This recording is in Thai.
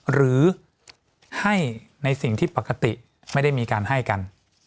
หรือให้ในสิ่งที่ปกติไม่ได้มีการให้กัน